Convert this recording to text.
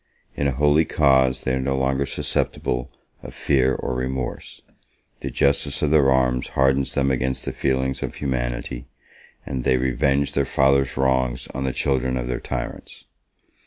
In a holy cause they are no longer susceptible of fear or remorse: the justice of their arms hardens them against the feelings of humanity; and they revenge their fathers' wrongs on the children of their tyrants.